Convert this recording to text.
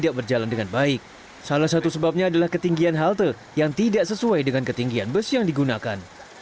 tidak berjalan dengan baik salah satu sebabnya adalah ketinggian halte yang tidak sesuai dengan ketinggian bus yang digunakan